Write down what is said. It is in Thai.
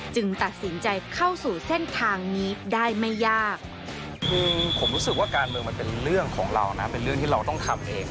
จึงตัดสินใจเข้าสู่เส้นทางนี้ได้ไม่ยาก